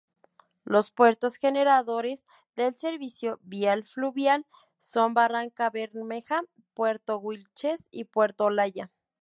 Los puertos generadores del servicio vial fluvial son Barrancabermeja, Puerto Wilches y Puerto Olaya.